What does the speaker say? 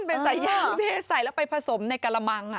เป็นใส่ยางใส่แล้วไปผสมในกรมัง